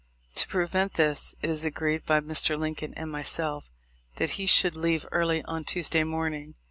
To prevent this, it is agreed by Mr. Lincoln and myself that he should leave early on Tuesday morning.